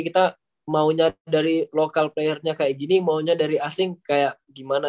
kita maunya dari local playernya kayak gini maunya dari asing kayak gimana